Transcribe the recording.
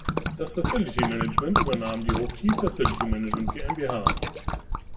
Das Facility Management übernahm die Hochtief Facility Management GmbH.